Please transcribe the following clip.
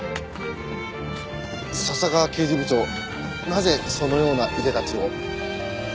笹川刑事部長なぜそのようないでたちを？